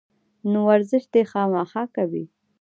نو ورزش دې خامخا کوي